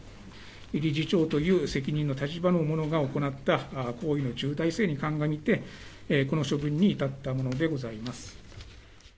理事長という責任の立場の者が行った行為の重大性に鑑みて、この処分に至ったものでございます。